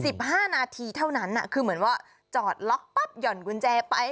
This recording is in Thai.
สิบห้านาทีเท่านั้นอ่ะคือเหมือนว่าจอดล็อกปั๊บหย่อนกุญแจไป